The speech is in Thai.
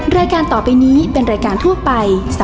เมมบาร์ตปัจจัญบปอด